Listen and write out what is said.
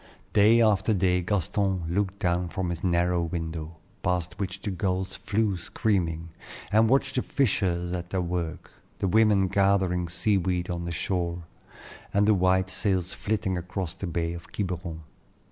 The Field of Martyrs. Day after day Gaston looked down from his narrow window, past which the gulls flew screaming, and watched the fishers at their work, the women gathering sea weed on the shore, and the white sails flitting across the bay of Quiberon.